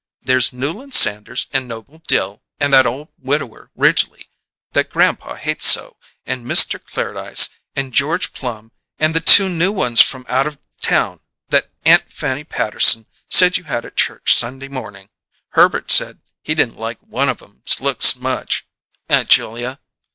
There's Newland Sanders and Noble Dill and that old widower, Ridgley, that grandpa hates so, and Mister Clairdyce and George Plum and the two new ones from out of town that Aunt Fanny Patterson said you had at church Sunday morning Herbert said he didn't like one of 'em's looks much, Aunt Julia.